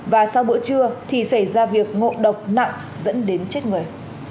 và sau bữa trưa thì xảy ra việc ngộ độc nặng dẫn đến chết người